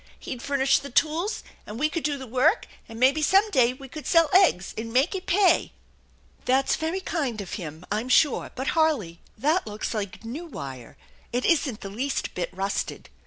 He'd furnish the tools and we could do the work, and maybe some day we could sell eggs and make it pay." " That's very kind of him, I'm sure. But, Harley, that looks like new wire. It isn't the least bit rusted."